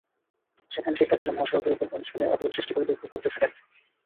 সেখানে শিক্ষার্থীরা মহাসড়কের ওপর বেঞ্চ ফেলে অবরোধ সৃষ্টি করে বিক্ষোভ করতে থাকেন।